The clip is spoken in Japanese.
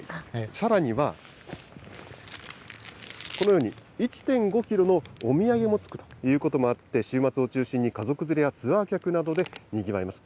さらには、このように１．５キロのお土産もつくということもあって、週末を中心に家族連れやツアー客などでにぎわいます。